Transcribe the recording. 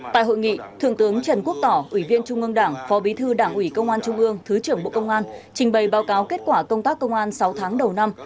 tại hội nghị thượng tướng trần quốc tỏ ủy viên trung ương đảng phó bí thư đảng ủy công an trung ương thứ trưởng bộ công an trình bày báo cáo kết quả công tác công an sáu tháng đầu năm